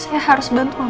saya harus bantu mama saya